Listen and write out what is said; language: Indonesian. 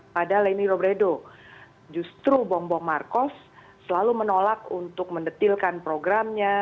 pada lenny robredo justru bombong marcos selalu menolak untuk mendetilkan programnya